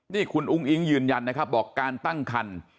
นี่คุณอุ้งอิ๊งยืนยันนะครับบอกการตั้งคัน